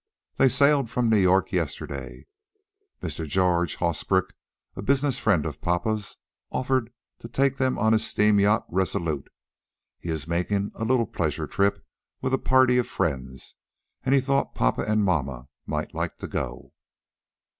They sailed from New York yesterday. Mr. George Hosbrook, a business friend of papa's, offered to take them on his steam yacht, RESOLUTE. He is making a little pleasure trip, with a party of friends, and he thought papa and mamma might like to go."